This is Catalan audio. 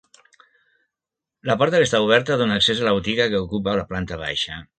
La porta que està oberta dóna accés a la botiga que ocupa la planta baixa.